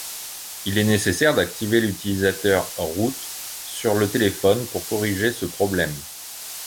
Il est nécessaire d'activer l'utilisateur root sur le téléphone pour corriger ce problème.